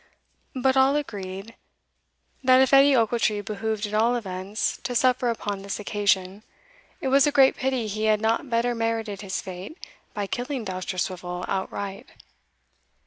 But all agreed, that if Edie Ochiltree behoved in all events to suffer upon this occasion, it was a great pity he had not better merited his fate by killing Dousterswivel outright.